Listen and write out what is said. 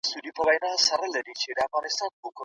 يوازي اقتصادي وده د پرمختګ مانا نلري.